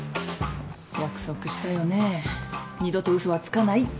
約束したよね二度とうそはつかないって。